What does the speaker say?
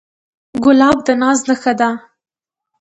ګلاب د ناز نخښه ده.